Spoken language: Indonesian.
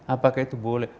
apakah itu boleh